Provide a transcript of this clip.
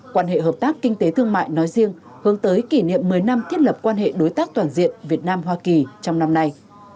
quan hệ hợp tác kinh tế thương mại nói riêng hướng tới kỷ niệm một mươi năm thiết lập quan hệ đối tác toàn diện việt nam hoa kỳ trong năm nay